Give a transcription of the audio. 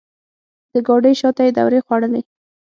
د ګاډۍ شاته یې دورې خوړلې.